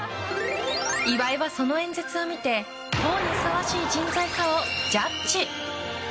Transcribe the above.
岩井はその演説を見て党にふさわしい人材かをジャッジ。